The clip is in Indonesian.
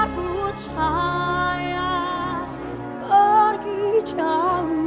tuhan yang mengejutku